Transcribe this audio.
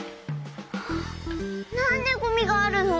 なんでゴミがあるの？